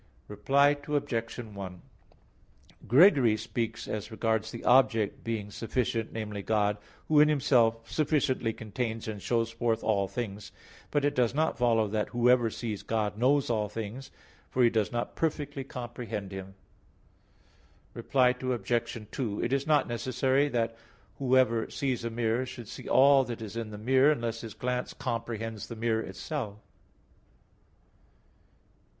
Reply Obj. 1: Gregory speaks as regards the object being sufficient, namely, God, who in Himself sufficiently contains and shows forth all things; but it does not follow that whoever sees God knows all things, for he does not perfectly comprehend Him. Reply Obj. 2: It is not necessary that whoever sees a mirror should see all that is in the mirror, unless his glance comprehends the mirror itself.